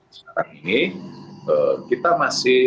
sekarang ini kita masih